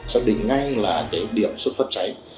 xác định ngay là cái điểm xuất phát cháy